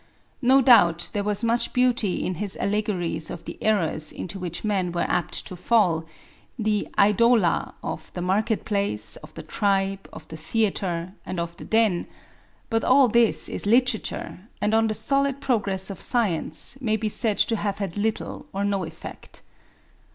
No doubt there was much beauty in his allegories of the errors into which men were apt to fall the idola of the market place, of the tribe, of the theatre, and of the den; but all this is literature, and on the solid progress of science may be said to have had little or no effect.